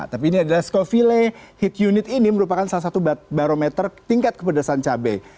tapi ini adalah scofila heat unit ini merupakan salah satu barometer tingkat kepedasan cabai